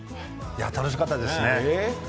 楽しかったですね。